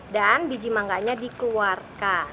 dan biji mangganya dikeluarkan